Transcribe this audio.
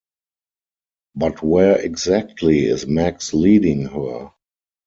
But where exactly is Max leading her?